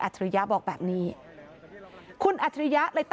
โดนขา